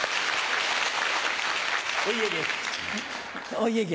お家芸。